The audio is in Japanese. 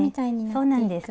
そうなんです。